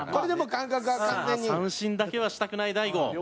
さあ三振だけはしたくない大悟。